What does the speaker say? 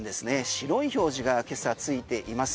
白い表示が今朝付いています。